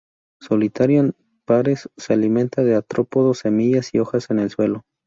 Solitario o en pares, se alimenta de artrópodos, semillas y hojas en el suelo.